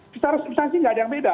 secara sebsasi tidak ada yang beda